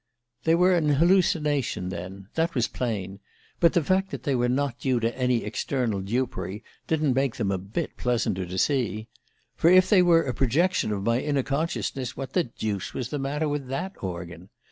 "They were an hallucination, then: that was plain. But the fact that they were not due to any external dupery didn't make them a bit pleasanter to see. For if they were a projection of my inner consciousness, what the deuce was the matter with that organ?